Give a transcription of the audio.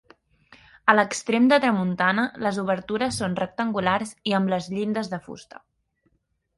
A l'extrem de tramuntana, les obertures són rectangulars i amb les llindes de fusta.